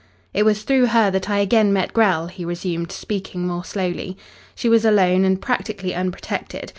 "It was through her that I again met Grell," he resumed, speaking more slowly. "She was alone and practically unprotected.